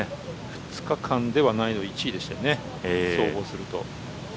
２日間では難易度１位でしたね総合すると。